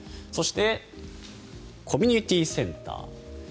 そしてコミュニティーセンター。